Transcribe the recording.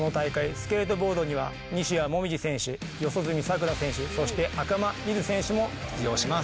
スケートボードには西矢椛選手四十住さくら選手そして赤間凛音選手も出場します。